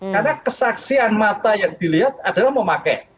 karena kesaksian mata yang dilihat adalah memakai